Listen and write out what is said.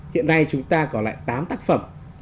hiện nay chúng ta có lại tám tác phẩm